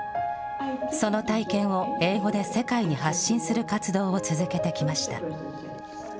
その体験を英語で世界に発信する活動を続けてきました。